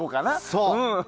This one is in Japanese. そう。